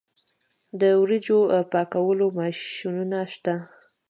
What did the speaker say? د وریجو پاکولو ماشینونه شته